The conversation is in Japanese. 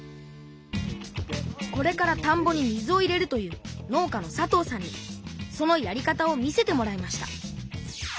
これからたんぼに水を入れるという農家の佐藤さんにそのやり方を見せてもらいました。